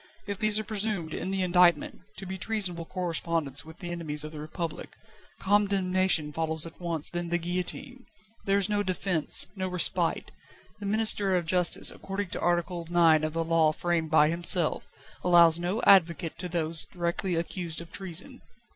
If these are presumed, in the indictment, to be treasonable correspondence with the enemies of the Republic, condemnation follows at once, then the guillotine. There is no defence, no respite. The Minister of Justice, according to Article IX of the Law framed by himself, allows no advocate to those directly accused of treason.